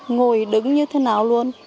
ngồi đứng như thế nào luôn